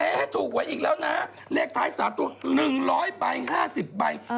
ให้ถูกไว้อีกแล้วนะเลขท้าย๓ตัว๑๐๐ใบ๕๐ใบ